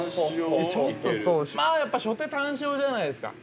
まあ、やっぱ初手タン塩じゃないですか。